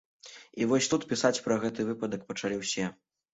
І вось тут пісаць пра гэты выпадак пачалі ўсё.